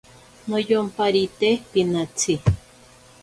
Noyomparite pinatsi.